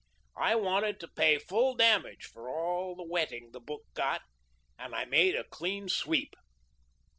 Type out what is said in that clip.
I wanted to pay full damage for all the wetting the book got, and I made a clean sweep."